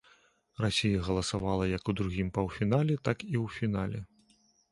Расія галасавала як у другім паўфінале, так і ў фінале.